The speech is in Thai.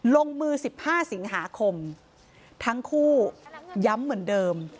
ลงมือ๑๕สิงหาคมทั้งคู่ย้ำเหมือนเดิม